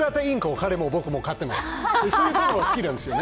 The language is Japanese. そういうところが好きなんですよね。